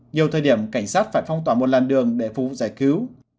nhiều thời điểm cảnh sát phải phong tỏa một làn đường để phú giải cứu